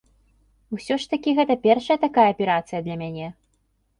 Усё ж такі гэта першая такая аперацыя для мяне.